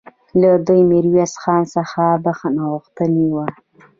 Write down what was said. ده له ميرويس خان څخه بخښنه غوښتې وه